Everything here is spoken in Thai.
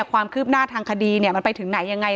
ถ้าใครอยากรู้ว่าลุงพลมีโปรแกรมทำอะไรที่ไหนยังไง